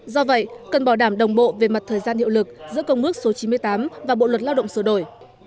do vậy cần bảo đảm đồng bộ về mặt thời gian hiệu lực giữa công ước số chín mươi tám và bộ luật lao động sửa đổi